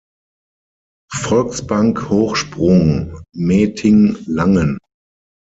Volksbank Hochsprung-Meeting Langen".